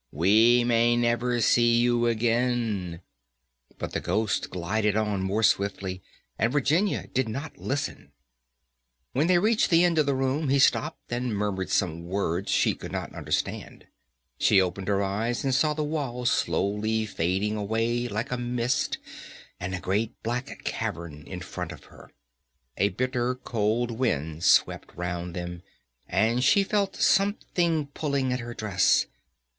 we may never see you again," but the Ghost glided on more swiftly, and Virginia did not listen. When they reached the end of the room he stopped, and muttered some words she could not understand. She opened her eyes, and saw the wall slowly fading away like a mist, and a great black cavern in front of her. A bitter cold wind swept round them, and she felt something pulling at her dress.